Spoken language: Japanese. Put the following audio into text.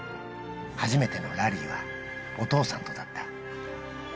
初めてのラリーはお父さんとだった。